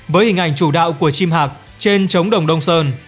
với hình ảnh chủ đạo của chim hạc trên trống đồng đông sơn